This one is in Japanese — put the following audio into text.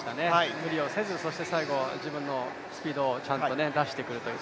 無理をせず、そして最後は自分のスピードを出してくるという。